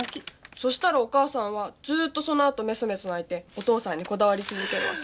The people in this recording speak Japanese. そしたらお母さんはずっとそのあとメソメソ泣いてお父さんにこだわり続けるわけ？